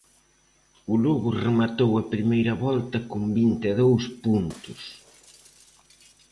O Lugo rematou a primeira volta con vinte e dous puntos.